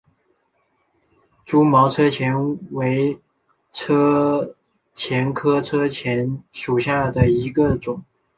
蛛毛车前为车前科车前属下的一个种。